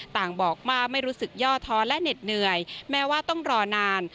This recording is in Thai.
ต่างบอกว่าไม่รู้สึกย่อท้อและเหน็ดเหนื่อยแม้ว่าต้องรอนาน